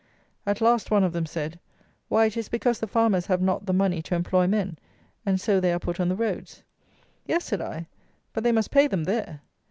At last one of them said, "Why, it is because the farmers have not the money to employ men, and so they are put on the roads." "Yes," said I, "but they must pay them there."